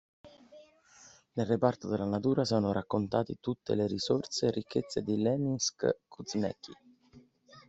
Nel reparto della natura sono raccontati tutte le risorse e ricchezze di Leninsk-Kuzneckij.